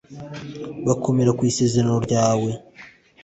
bakomera ku isezerano ryawe